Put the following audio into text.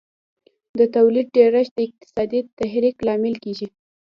د تولید ډېرښت د اقتصادي تحرک لامل کیږي.